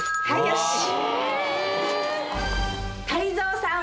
はいよし。